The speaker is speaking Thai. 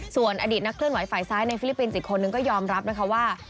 ส่วนอดีตนักเคลื่อนไหวฝ่ายซ้ายในฟิลิปปินส์อีกคนนึงก็ยอมรับนะคะว่า